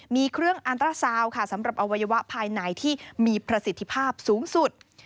มีเครื่องอันตราซาวค่ะสำหรับอวัยวะภายในที่มีประสิทธิภาพสูงสุด